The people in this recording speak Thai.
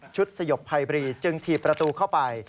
ชุดสยบไพบรีจึงถีบประตูเข้าไป